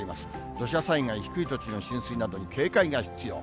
土砂災害、低い土地の浸水などに警戒が必要。